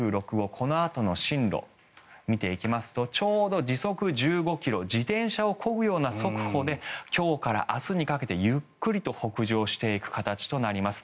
このあとの進路を見ていきますとちょうど時速１５ｋｍ自転車をこぐような速度で今日から明日にかけてゆっくりと北上していく形となります。